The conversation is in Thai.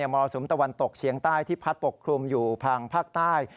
มรสุมตะวันตกเฉียงใต้ที่พัดปกคลุมอยู่ทางภาคใต้